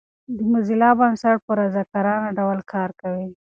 د موزیلا بنسټ په رضاکارانه ډول کار کوي.